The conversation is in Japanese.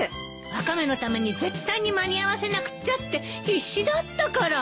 ワカメのために絶対に間に合わせなくちゃって必死だったから。